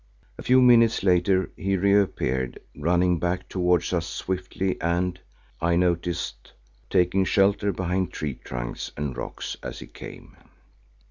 A few minutes later he reappeared running back towards us swiftly and, I noticed, taking shelter behind tree trunks and rocks as he came.